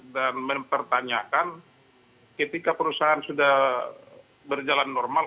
dan mempertanyakan ketika perusahaan sudah berjalan normal